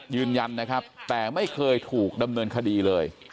ยืนยันนะครับแต่ไม่เคยถูกดำเนินคดีเลย